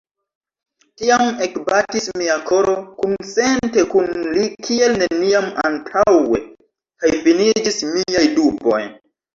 Tiam ekbatis mia koro kunsente kun li kiel neniam antaŭe, kaj finiĝis miaj duboj.